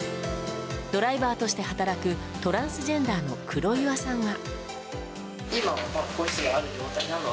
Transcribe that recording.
ドライバーとして働くトランスジェンダーの黒岩さんは。